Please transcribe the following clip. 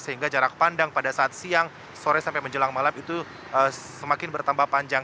sehingga jarak pandang pada saat siang sore sampai menjelang malam itu semakin bertambah panjang